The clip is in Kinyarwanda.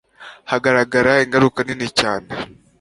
hagaragara ingaruka nini cyane